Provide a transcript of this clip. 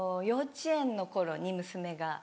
幼稚園の頃に娘が。